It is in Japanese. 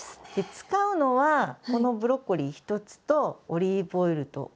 使うのはこのブロッコリー１つとオリーブオイルとお塩。